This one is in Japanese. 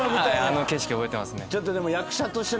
あの景色覚えてますね。